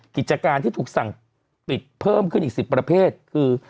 กิจการที่ถูกสั่งปิดเพิ่มขึ้นอีก๑๐ประเภทคือ